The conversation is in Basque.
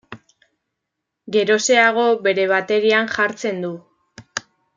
Geroxeago bere baterian jartzen du.